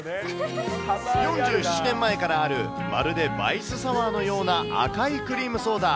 ４７年前からあるまるでバイスサワーのような赤いクリームソーダ。